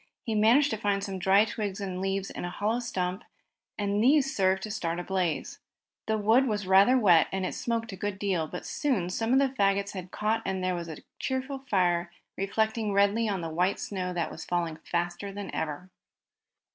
He managed to find some dry twigs and leaves in a hollow stump, and these served to start a blaze. The wood was rather wet, and it smoked a good deal, but soon some of the fagots had caught and there was a cheerful fire reflecting redly on the white snow that was falling faster than ever.